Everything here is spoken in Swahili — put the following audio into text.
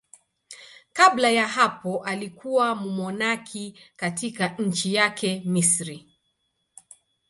Kabla ya hapo alikuwa mmonaki katika nchi yake, Misri.